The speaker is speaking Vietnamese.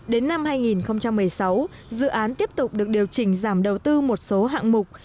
đến năm hai nghìn một mươi sáu dự án tiếp tục được điều chỉnh giảm đầu tư một số hạng mục